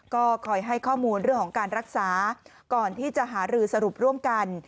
ก็คอยให้ข้อมูลเรื่องของการรักษาก่อนที่จะหารือสรุปร่วมกัน